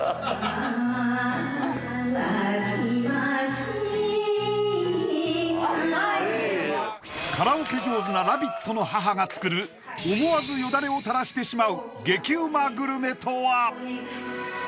すごいカラオケ上手なラビットの母が作る思わずよだれを垂らしてしまう激うまグルメとは？